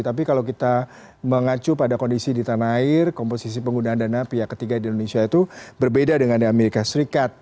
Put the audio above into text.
tapi kalau kita mengacu pada kondisi di tanah air komposisi penggunaan dana pihak ketiga di indonesia itu berbeda dengan di amerika serikat